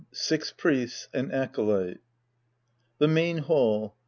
Six Priests. An Acolyte. {^he main hall.